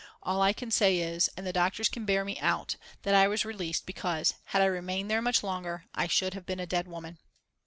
All I can say is, and the doctors can bear me out, that I was released because, had I remained there much longer, I should have been a dead woman.